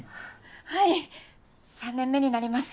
はい３年目になります。